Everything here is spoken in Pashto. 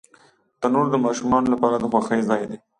تنور د ماشومانو لپاره د خوښۍ ځای دی